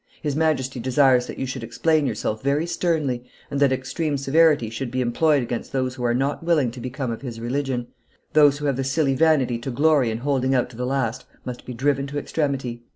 His Majesty desires that you should explain yourself very sternly, and that extreme severity should be employed against those who are not willing to become of his religion; those who have the silly vanity to glory in holding out to the last must be driven to extremity."